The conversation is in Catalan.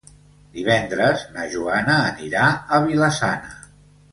Divendres na Joana anirà a Vila-sana.